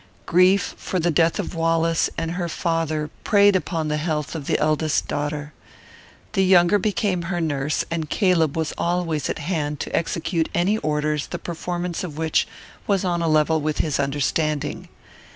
Grief for the death of Wallace and her father preyed upon the health of the eldest daughter. The younger became her nurse, and Caleb was always at hand to execute any orders the performance of which was on a level with his understanding.